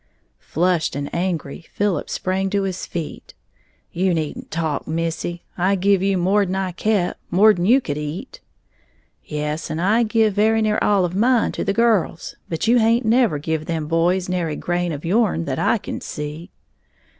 Flushed and angry, Philip sprang to his feet. "You needn't talk, missy, I give you more'n I kep', more'n you could eat!" "Yes, and I give very near all of mine to the girls; but you haint never give them boys nary grain of your'n, that I can see!"